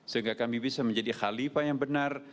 sehingga kami bisa menjadi khalifah yang benar